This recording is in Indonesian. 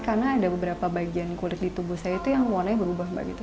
karena ada beberapa bagian kulit di tubuh saya itu yang warnanya berubah ubah gitu